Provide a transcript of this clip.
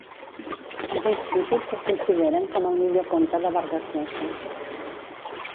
Alguns crítics el consideren com el millor conte de Vargas Llosa.